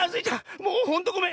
もうほんとごめん。